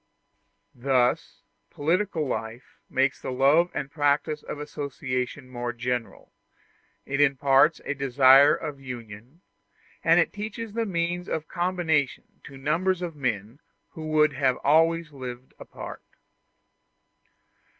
Thus political life makes the love and practice of association more general; it imparts a desire of union, and teaches the means of combination to numbers of men who would have always lived apart.